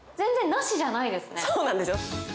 そうなんですよ。